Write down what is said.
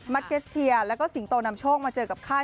เกสเทียแล้วก็สิงโตนำโชคมาเจอกับค่าย